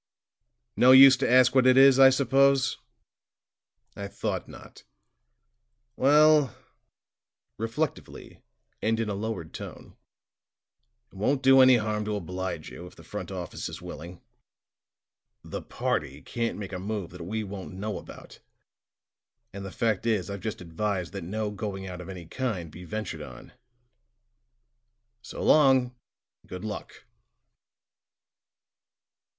"No use to ask what it is, I suppose? I thought not. Well," reflectively, and in a lowered tone, "it won't do any harm to oblige you, if the front office is willing. The party can't make a move that we won't know about; and the fact is, I've just advised that no going out of any kind be ventured on. So long, and good luck."